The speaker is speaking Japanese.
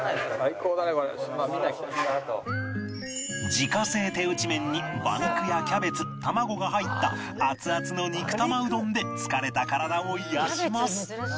自家製手打ち麺に馬肉やキャベツ卵が入ったアツアツの肉玉うどんで疲れた体を癒やします